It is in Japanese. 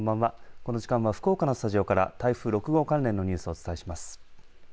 この時間は福岡のスタジオから台風６号関連のニュースをお伝えします。